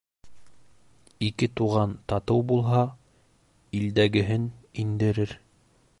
Ике туған татыу булһа, илдәгеһен индерер